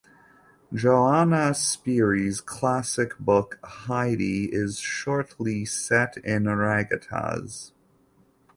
Johanna Spyri's classic book "Heidi" is shortly set in Ragatz.